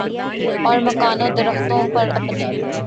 اور مکانوں درختوں پر اپنے